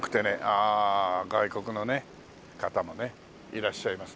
ああ外国の方もねいらっしゃいます。